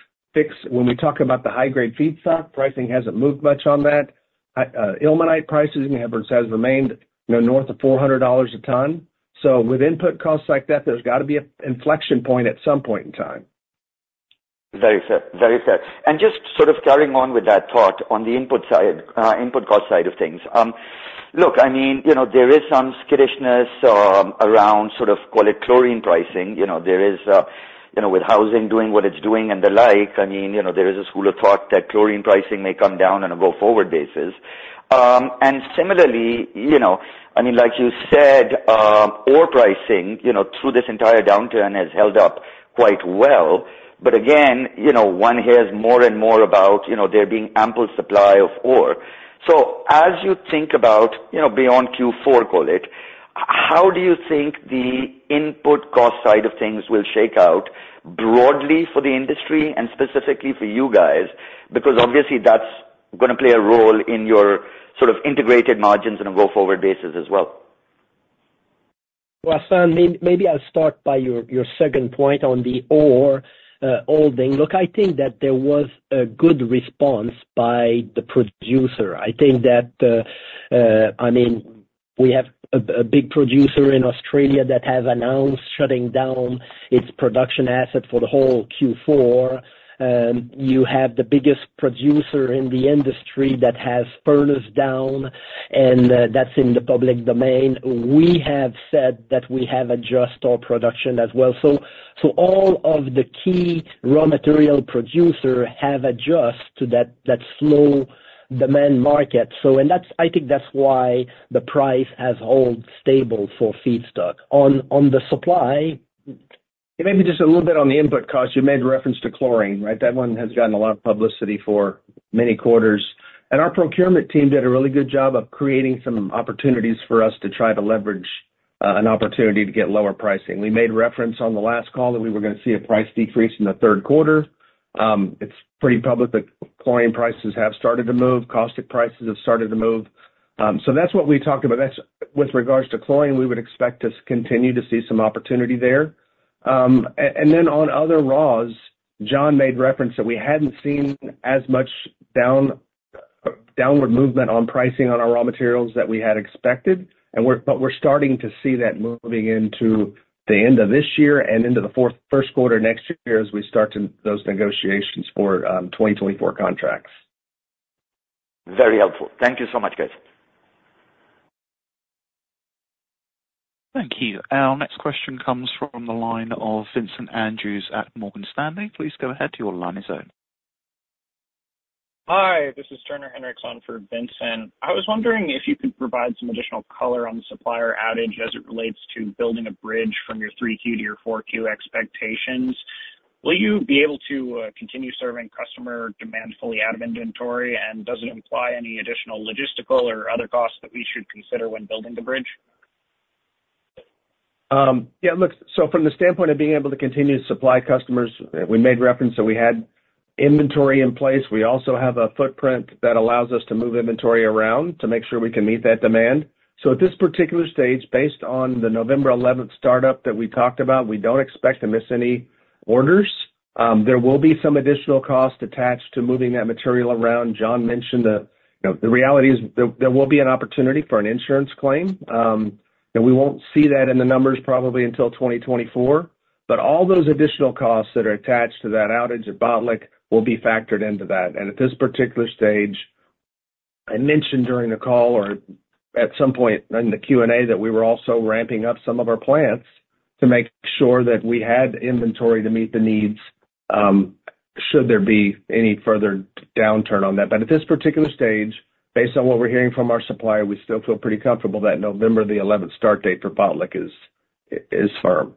When we talk about the high-grade feedstock, pricing hasn't moved much on that. Ilmenite prices, I mean, has remained, you know, north of $400 a ton. So with input costs like that, there's got to be an inflection point at some point in time. Very fair. Very fair. And just sort of carrying on with that thought, on the input side, input cost side of things. Look, I mean, you know, there is some skittishness around, sort of, call it, chlorine pricing. You know, there is, you know, with housing doing what it's doing and the like, I mean, you know, there is a school of thought that chlorine pricing may come down on a go-forward basis. And similarly, you know, I mean, like you said, ore pricing, you know, through this entire downturn, has held up quite well. But again, you know, one hears more and more about, you know, there being ample supply of ore. So as you think about, you know, beyond Q4, call it, how do you think the input cost side of things will shake out broadly for the industry and specifically for you guys? Because obviously, that's gonna play a role in your sort of integrated margins on a go-forward basis as well. Well, Hassan, maybe I'll start by your second point on the ore holding. Look, I think that there was a good response by the producer. I think that I mean, we have a big producer in Australia that has announced shutting down its production asset for the whole Q4. You have the biggest producer in the industry that has furnished down, and that's in the public domain. We have said that we have adjusted our production as well. So all of the key raw material producer have adjusted to that slow demand market. So that's-- I think that's why the price has held stable for feedstock. On the supply- Maybe just a little bit on the input cost. You made reference to chlorine, right? That one has gotten a lot of publicity for many quarters, and our procurement team did a really good job of creating some opportunities for us to try to leverage an opportunity to get lower pricing. We made reference on the last call that we were gonna see a price decrease in the third quarter. It's pretty public that chlorine prices have started to move, caustic prices have started to move. So that's what we talked about. That's with regards to chlorine, we would expect to continue to see some opportunity there. And then on other raws, John made reference that we hadn't seen as much downward movement on pricing on our raw materials that we had expected, and we're but we're starting to see that moving into the end of this year and into the first quarter next year, as we start to those negotiations for 2024 contracts. Very helpful. Thank you so much, guys. Thank you. Our next question comes from the line of Vincent Andrews at Morgan Stanley. Please go ahead, your line is open. Hi, this is Turner Hinrichs on for Vincent. I was wondering if you could provide some additional color on the supplier outage as it relates to building a bridge from your 3Q to your 4Q expectations. Will you be able to continue serving customer demand fully out of inventory? And does it imply any additional logistical or other costs that we should consider when building the bridge? Yeah, look, so from the standpoint of being able to continue to supply customers, we made reference that we had inventory in place. We also have a footprint that allows us to move inventory around to make sure we can meet that demand. So at this particular stage, based on the November 11 startup that we talked about, we don't expect to miss any orders. There will be some additional cost attached to moving that material around. John mentioned that, you know, the reality is there, there will be an opportunity for an insurance claim. And we won't see that in the numbers probably until 2024. But all those additional costs that are attached to that outage at Botlek will be factored into that. At this particular stage, I mentioned during the call or at some point in the Q&A, that we were also ramping up some of our plants to make sure that we had the inventory to meet the needs, should there be any further downturn on that. But at this particular stage, based on what we're hearing from our supplier, we still feel pretty comfortable that November the eleventh start date for Botlek is firm.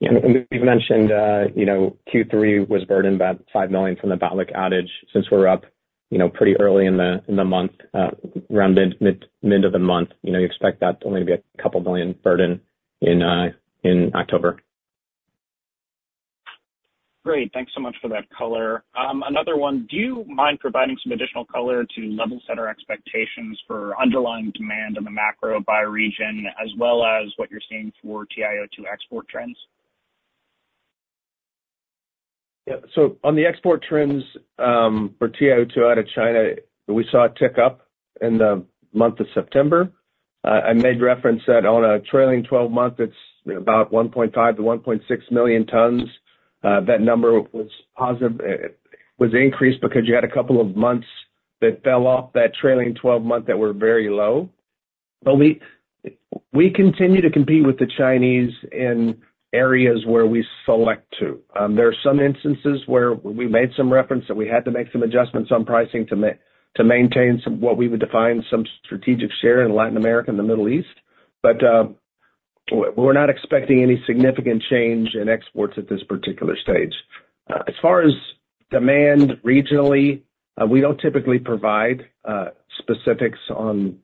Yeah, and we've mentioned, you know, Q3 was burdened by $5 million from the Botlek outage. Since we're up, you know, pretty early in the month, around mid of the month, you know, you expect that only to be a couple million burden in October. Great. Thanks so much for that color. Another one: Do you mind providing some additional color to level-setter expectations for underlying demand in the macro by region, as well as what you're seeing for TiO2 export trends? Yeah. So on the export trends for TiO2 out of China, we saw a tick-up in the month of September. I made reference that on a trailing twelve-month, it's about 1.5-1.6 million tons. That number was positive, was increased because you had a couple of months that fell off that trailing twelve month that were very low. But we, we continue to compete with the Chinese in areas where we select to. There are some instances where we made some reference that we had to make some adjustments on pricing to maintain some, what we would define some strategic share in Latin America and the Middle East. But, we're not expecting any significant change in exports at this particular stage. As far as demand regionally, we don't typically provide specifics on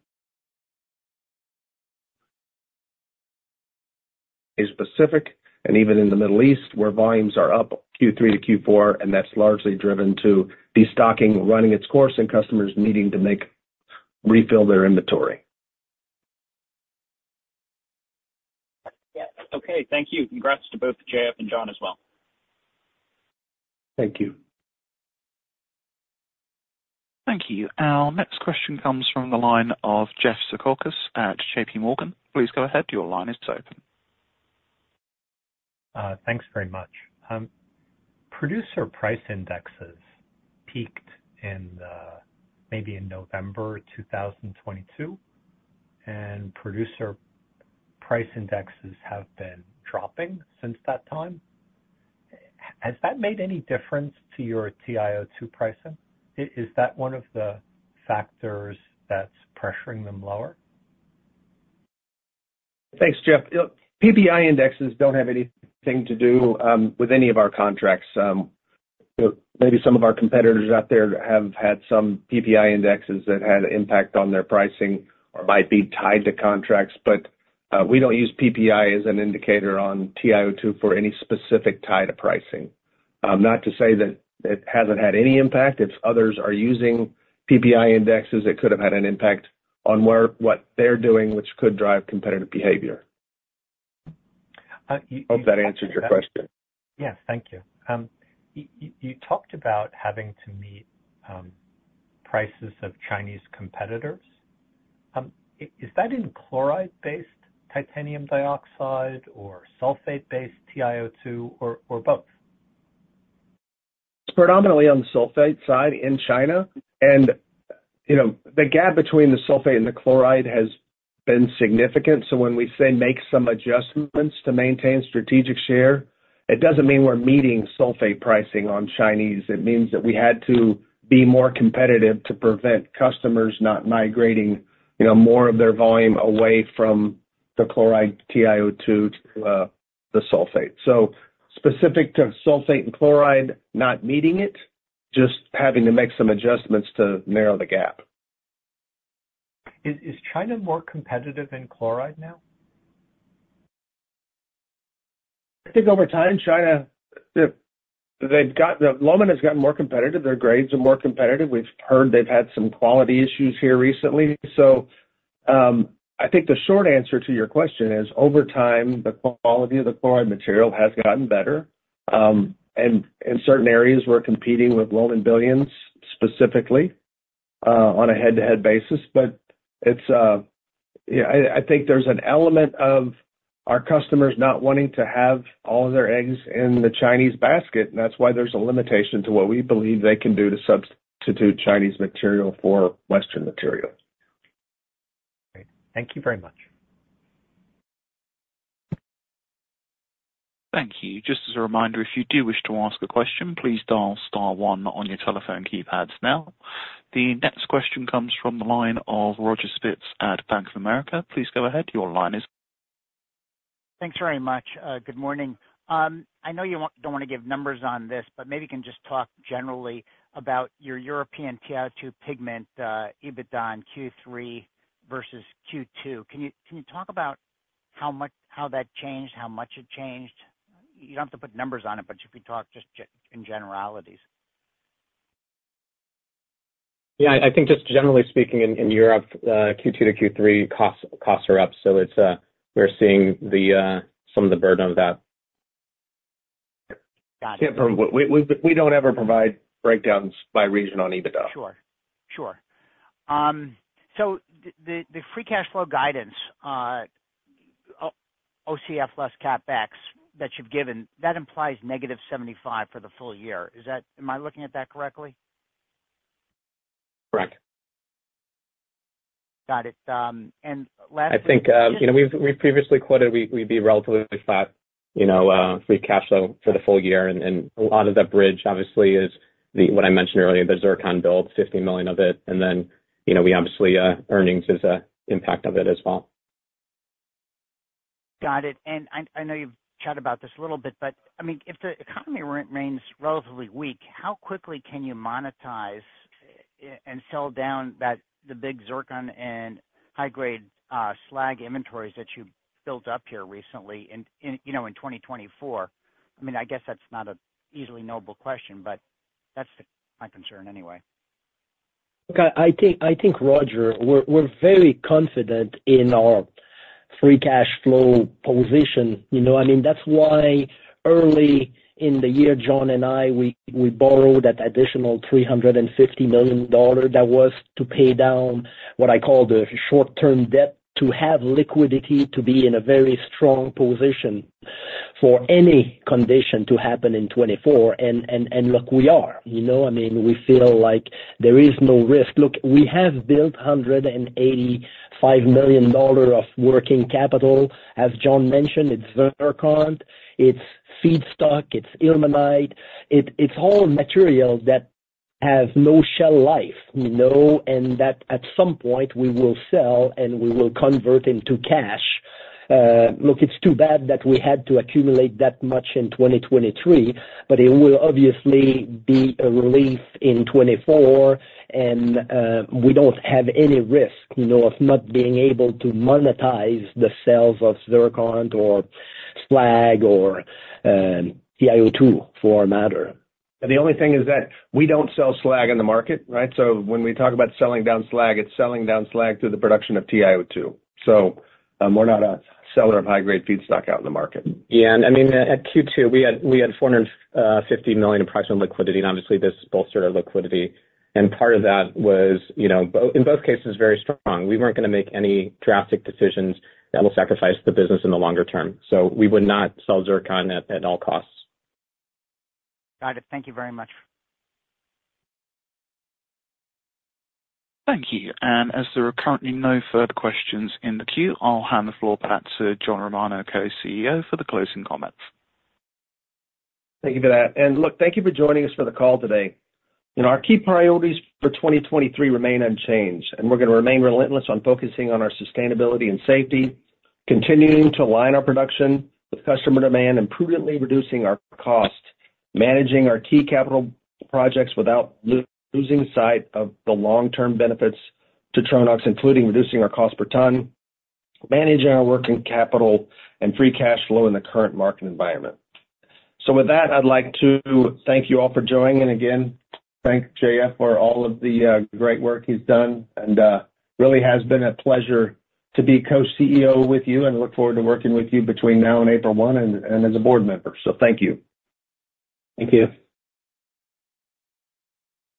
specifics and even in the Middle East, where volumes are up Q3 to Q4, and that's largely driven by destocking running its course and customers needing to refill their inventory. Yes. Okay. Thank you. Congrats to both JF and John as well. Thank you. Thank you. Our next question comes from the line of Jeffrey Zekauskas at JPMorgan. Please go ahead. Your line is open. Thanks very much. Producer Price Indexes peaked in maybe November 2022, and Producer Price Indexes have been dropping since that time. Has that made any difference to your TiO2 pricing? Is that one of the factors that's pressuring them lower? Thanks, Jeff. Look, PPI indexes don't have anything to do with any of our contracts. Maybe some of our competitors out there have had some PPI indexes that had an impact on their pricing or might be tied to contracts, but we don't use PPI as an indicator on TiO2 for any specific tie to pricing. Not to say that it hasn't had any impact. If others are using PPI indexes, it could have had an impact on where what they're doing, which could drive competitive behavior. Uh, you- Hope that answers your question. Yes, thank you. You talked about having to meet prices of Chinese competitors. Is that in chloride-based titanium dioxide or sulfate-based TiO2, or both? It's predominantly on the sulfate side in China, and, you know, the gap between the sulfate and the chloride has been significant. So when we say make some adjustments to maintain strategic share, it doesn't mean we're meeting sulfate pricing on Chinese. It means that we had to be more competitive to prevent customers not migrating, you know, more of their volume away from the chloride TiO2 to the sulfate. So specific to sulfate and chloride, not meeting it, just having to make some adjustments to narrow the gap. Is China more competitive in chloride now? I think over time, China, they've got the Lomon has gotten more competitive. Their grades are more competitive. We've heard they've had some quality issues here recently. So, I think the short answer to your question is, over time, the quality of the chloride material has gotten better. And in certain areas, we're competing with Lomon Billions, specifically, on a head-to-head basis. But it's, yeah, I think there's an element of our customers not wanting to have all their eggs in the Chinese basket, and that's why there's a limitation to what we believe they can do to substitute Chinese material for Western material. Great. Thank you very much. Thank you. Just as a reminder, if you do wish to ask a question, please dial star one on your telephone keypads now. The next question comes from the line of Roger Spitz at Bank of America. Please go ahead. Your line is- Thanks very much. Good morning. I know you don't want to give numbers on this, but maybe you can just talk generally about your European TiO2 pigment EBITDA in Q3 versus Q2. Can you talk about how much that changed, how much it changed? You don't have to put numbers on it, but if you could talk just in generalities. Yeah, I think just generally speaking, in Europe, Q2 to Q3, costs are up. So it's, we're seeing some of the burden of that. Got it. Yeah, we don't ever provide breakdowns by region on EBITDA. Sure, sure. So the free cash flow guidance, OCF less CapEx, that you've given, that implies -$75 million for the full year. Is that... Am I looking at that correctly? Correct. Got it. And last- I think, you know, we've previously quoted we'd be relatively flat, you know, free cash flow for the full year. And a lot of that bridge, obviously, is the, what I mentioned earlier, the zircon build, $50 million of it. And then, you know, we obviously, earnings is a impact of it as well. Got it. And I know you've chatted about this a little bit, but I mean, if the economy remains relatively weak, how quickly can you monetize and sell down that, the big zircon and high-grade slag inventories that you built up here recently in, you know, in 2024? I mean, I guess that's not an easily knowable question, but that's my concern anyway. Look, I think, Roger, we're very confident in our free cash flow position. You know, I mean, that's why early in the year, John and I borrowed that additional $350 million. That was to pay down what I call the short-term debt, to have liquidity, to be in a very strong position for any condition to happen in 2024. And look, we are, you know, I mean, we feel like there is no risk. Look, we have built $185 million of working capital. As John mentioned, it's zircon, it's feedstock, it's ilmenite. It's all material that has no shelf life, you know, and that at some point we will sell, and we will convert into cash. Look, it's too bad that we had to accumulate that much in 2023, but it will obviously be a relief in 2024. We don't have any risk, you know, of not being able to monetize the sales of zircon or slag or TiO2, for that matter. The only thing is that we don't sell slag in the market, right? So when we talk about selling down slag, it's selling down slag through the production of TiO2. So, we're not a seller of high-grade feedstock out in the market. Yeah, and I mean, at Q2, we had $450 million in approximate liquidity, and obviously, this bolstered our liquidity. Part of that was, you know, in both cases, very strong. We weren't gonna make any drastic decisions that will sacrifice the business in the longer term. So we would not sell zircon at all costs. Got it. Thank you very much. Thank you. As there are currently no further questions in the queue, I'll hand the floor back to John Romano, co-CEO, for the closing comments. Thank you for that. Look, thank you for joining us for the call today. You know, our key priorities for 2023 remain unchanged, and we're gonna remain relentless on focusing on our sustainability and safety, continuing to align our production with customer demand and prudently reducing our cost, managing our key capital projects without losing sight of the long-term benefits to Tronox, including reducing our cost per ton, managing our working capital and free cash flow in the current market environment. So with that, I'd like to thank you all for joining, and again, thank JF for all of the great work he's done. Really has been a pleasure to be co-CEO with you, and look forward to working with you between now and April 1 and as a board member. So thank you. Thank you.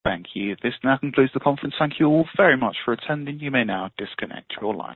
Thank you. This now concludes the conference. Thank you all very much for attending. You may now disconnect your line.